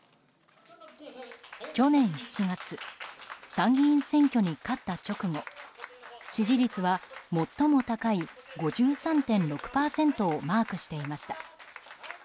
去年７月参議院選挙に勝った直後支持率は最も高い５３．６％をマークしていました。